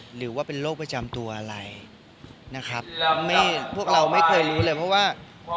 หรือว่าเป็นโรคประจำตัวอะไรนะครับไม่พวกเราไม่เคยรู้เลยเพราะว่า